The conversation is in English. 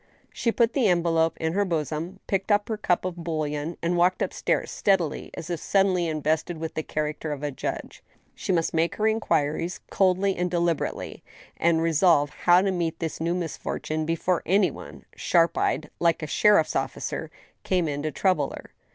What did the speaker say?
She put the envelope in her bosom ; picked up her cup of bouil lon^ and walked up stairs steadily as if suddenly invested with the character of a judge. She must make her inquiries coldly and de liberately, and resolve how to meet thi» new misfortune before any one, sharp eyed, like a sheriff's officer, came in to trouble her.